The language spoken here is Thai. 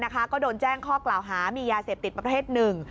ก็โดนแจ้งข้อกล่าวหามียาเสพติดประเภทหนึ่ง